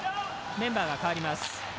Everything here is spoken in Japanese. メンバーが代わります。